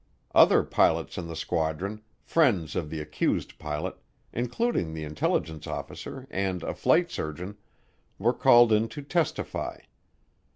Other pilots in the squadron, friends of the accused pilot including the intelligence officer and a flight surgeon were called in to "testify."